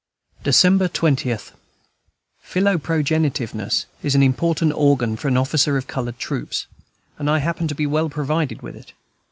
December 20. Philoprogenitiveness is an important organ for an officer of colored troops; and I happen to be well provided with it.